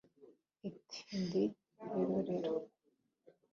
iti : ndi birorero